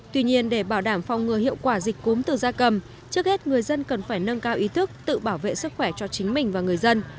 tuy nhiên để bảo đảm phòng ngừa hiệu quả dịch cúm từ da cầm trước hết người dân cần phải nâng cao ý thức tự bảo vệ sức khỏe cho chính mình và người dân